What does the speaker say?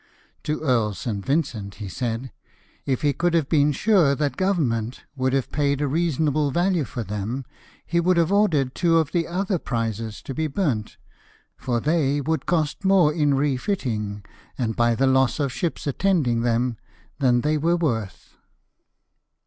To Earl St. Vincent he said, " If he could have been sure that Government would have paid a reasonable value for them, he would have ordered two of the other prizes to be burnt, for they would cost more in refitting, and by the loss of ships attending them, than they were worth."